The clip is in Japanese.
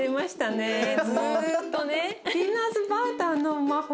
ずっとね。